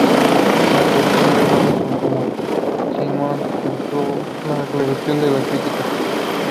La actuación de Robinson como Simon obtuvo la aclamación de la crítica.